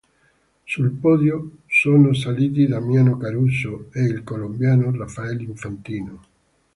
Sul podio, sono saliti Damiano Caruso e il colombiano Rafael Infantino.